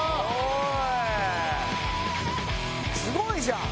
すごいじゃん。